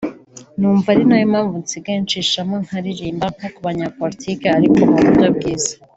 numva ari nayo mpamvu nsigaye ncishamo nkaririmba nko ku banyapolitiki ariko mu buryo bwiza